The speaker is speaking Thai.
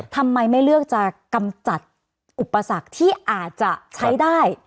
ทำไมไม่เลือกจะกำจัดอุปสรรคที่อาจจะใช้ได้